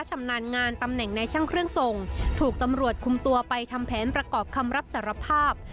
ชำนาญงานตำแหน่งในช่างเครื่องส่งถูกตำรวจคุมตัวไปทำแผนประกอบคำรับสารภาพ